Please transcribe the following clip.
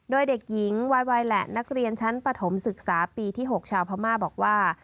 โดยเด็กหญิงวัยแหละนักเรียนชั้นปฐมศึกษาปีที่๖ชาวพม่าบอกว่า